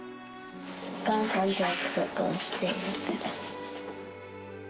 お母さんと約束をしてるから。